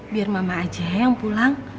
biar mama aja yang pulang